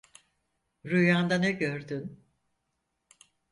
Rüyanda ne gördün?